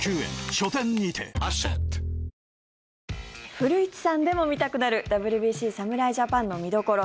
古市さんでも見たくなるＷＢＣ侍ジャパンの見どころ